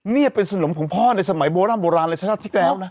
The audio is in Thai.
เนี่ยเป็นสนุนของพ่อในสมัยโบราณโบราณเลยชัดทิ้งแล้วนะโอ้โห